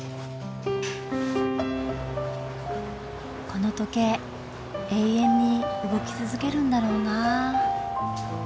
この時計永遠に動き続けるんだろうなあ。